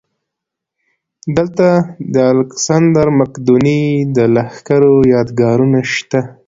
دلته د الکسندر مقدوني د لښکرو یادګارونه شته